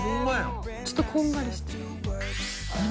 ちょっとこんがりして何？